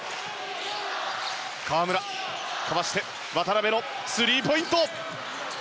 河村、かわして渡邊のスリーポイント。